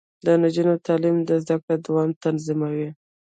د نجونو تعلیم د زدکړو دوام تضمینوي.